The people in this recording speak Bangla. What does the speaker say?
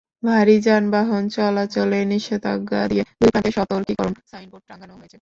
ভারী যানবাহন চলাচলে নিষেধাজ্ঞা দিয়ে দুই প্রান্তে সতর্কীকরণ সাইনবোর্ড টাঙানো হয়েছে।